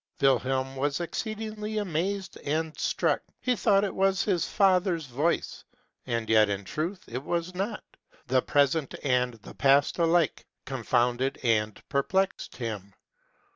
Wilhelm was exceedingly amazed and struck : he thought it was his father's voice ; and yet in truth it was not : the present and the past alike confounded and perplexed him.